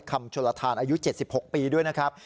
ชนลทานอายุ๗๖ปีด้วยนะครับ